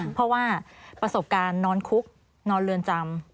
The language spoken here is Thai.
เพราะว่าประสบการณ์นอนคุกนอนเรือนจำ